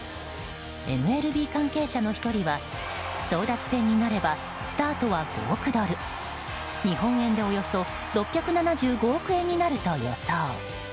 ＭＬＢ関係者の１人は争奪戦になればスタートは５億ドル、日本円でおよそ６７５億円になると予想。